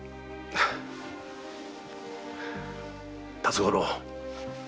辰五郎。